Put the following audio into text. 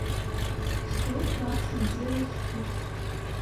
сто двадцать девять штук